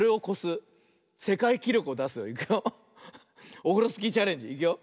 オフロスキーチャレンジいくよ。